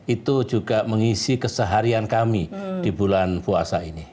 itu juga mengisi keseharian kami di bulan puasa ini